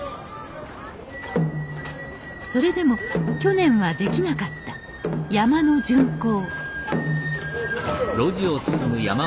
それでも去年はできなかった山車の巡行